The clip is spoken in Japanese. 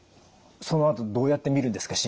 そのあとどうやって見るんですか？